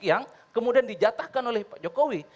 yang kemudian dijatahkan oleh pak jokowi